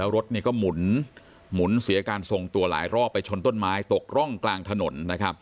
รถก็หมุนเสียการทรงตัวหลายรอบไปชนต้นไม้ตกร่องกลางถนน